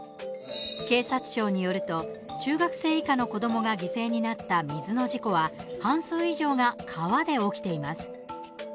警察庁によると中学生以下の子どもが犠牲になった水の事故は半数以上が川で起きています。